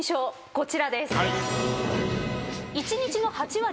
こちらです。